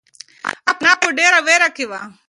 انا په ډېره وېره کې وه.